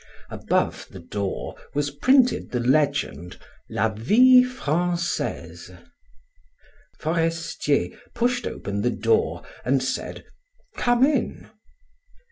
Above the door was printed the legend, "La Vie Francaise." Forestier pushed open the door and said: "Come in."